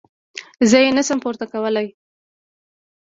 زه يې نه شم پورته کولاى.